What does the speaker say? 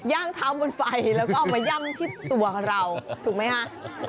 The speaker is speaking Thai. ย่างเท้าบนไฟแล้วก็เอามาย่ำที่ตัวของเราถูกไหมฮะ